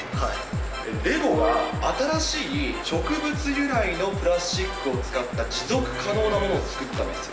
レゴは新しい植物由来のプラスチックを使った持続可能なものを作ったんですよ。